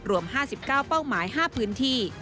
รวม๕๙เป้าหมาย๕พื้นที่